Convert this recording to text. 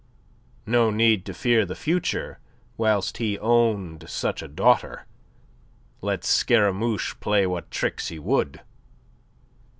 No need to fear the future whilst he owned such a daughter, let Scaramouche play what tricks he would.